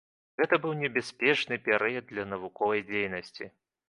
Гэта быў небяспечны перыяд для навуковай дзейнасці.